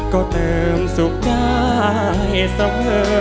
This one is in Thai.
ก็เติมสุขได้เสมอ